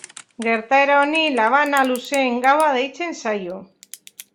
Gertaera honi Labana Luzeen Gaua deitzen zaio.